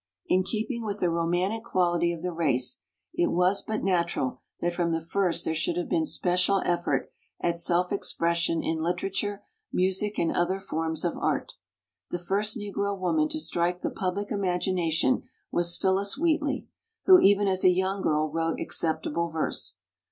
In keeping with the romantic quality of the race it was but natural that from the first there should have been special effort at self expression in literature, music, and other forms of art. The first Negro woman to strike the public imagination was Phillis Wheatley, who even as a young girl wrote acceptable verse.